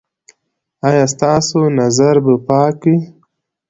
ایا ستاسو نظر به پاک وي؟